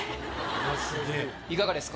いかがですか？